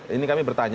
ini kami bertanya